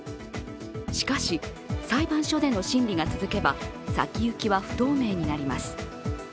しかし、裁判所での審理が続けば、先行きは不透明になります。